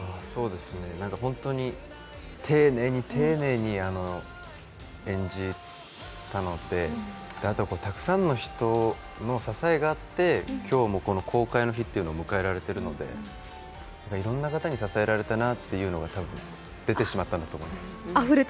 本当に丁寧に丁寧に演じたので、たくさんの人の支えがあって、今日も公開の日を迎えられているので、いろいろな方に支えられたなというのが出てしまったんだと思います。